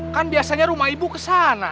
kan biasanya rumah ibu ke sana